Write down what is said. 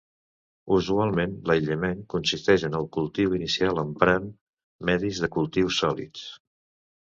Usualment l'aïllament consisteix en el cultiu inicial emprant medis de cultiu sòlids.